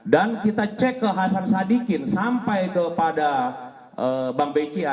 dan kita cek ke hasan sadikin sampai kepada bank bca